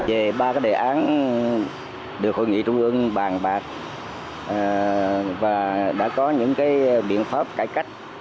về ba đề án được hội nghị trung ương bàn bạc và đã có những biện pháp cải cách